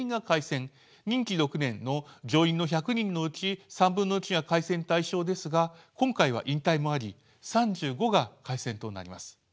任期６年の上院の１００人のうち３分の１が改選対象ですが今回は引退もあり３５が改選となります。